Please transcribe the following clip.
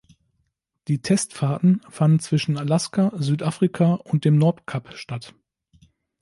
Die Testfahrten fanden zwischen Alaska, Südafrika und dem Nordkap statt.